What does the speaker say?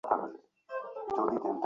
Cable টেনে barricade তুলে দাও।